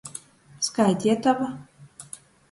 Skaiteitova.